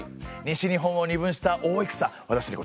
西日本を二分した大戦私ね